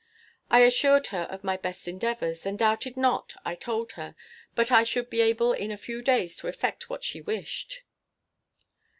I assured her of my best endeavors, and doubted not, I told her, but I should be able in a few days to effect what she wished.